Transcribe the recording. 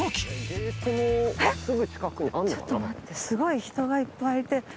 すごい人がいっぱいいて。